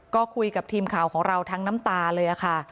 ก็คุยกับทีมข่าวของเราทั้งน้ำตาเลยค่ะ